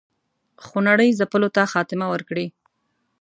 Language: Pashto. خونړي ځپلو ته خاتمه ورکړي.